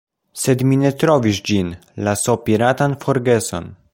Sed mi ne trovis ĝin, la sopiratan forgeson.